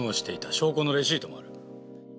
証拠のレシートもある。